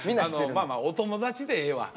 まあまあお友達でええわ。